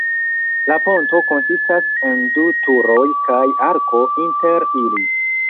La ponto konsistas en du turoj kaj arko inter ili.